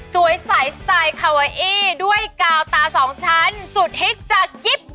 สวยใสสไตล์คาวาอี้ด้วยกาวตาสองชั้นสุดฮิตจากญี่ปุ่น